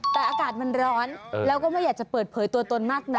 แต่อากาศมันร้อนแล้วก็ไม่อยากจะเปิดเผยตัวตนมากนัก